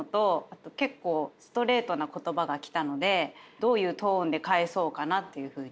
あと結構ストレートな言葉が来たのでどういうトーンで返そうかなっていうふうに。